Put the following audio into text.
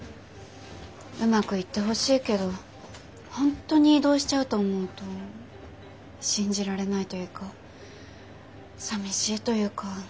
うまくいってほしいけど本当に異動しちゃうと思うと信じられないというかさみしいというか。